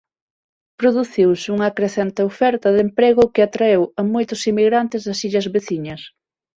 Produciuse unha crecente oferta de emprego que atraeu a moitos emigrantes das illas veciñas.